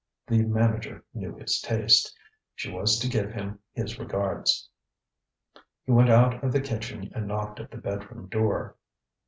The manager knew his taste. She was to give him his regards. He went out of the kitchen and knocked at the bed room door.